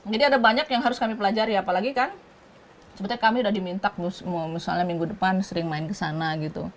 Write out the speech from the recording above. jadi ada banyak yang harus kami pelajari apalagi kan sepertinya kami sudah diminta misalnya minggu depan sering main kesana gitu